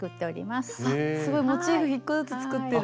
すごいモチーフ１個ずつ作ってる。